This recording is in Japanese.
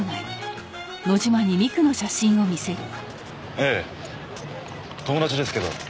ええ友達ですけど。